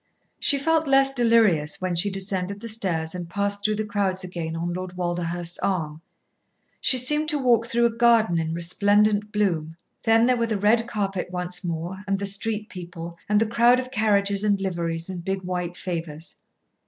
She felt less delirious when she descended the stairs and passed through the crowds again on Lord Walderhurst's arm. She seemed to walk through a garden in resplendent bloom. Then there were the red carpet once more, and the street people, and the crowd of carriages and liveries, and big, white favours.